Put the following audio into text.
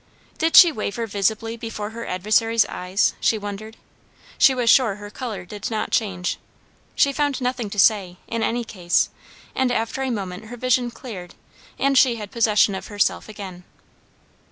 Did she waver visibly before her adversary's eyes, she wondered? She was sure her colour did not change. She found nothing to say, in any case; and after a moment her vision cleared and she had possession of herself again.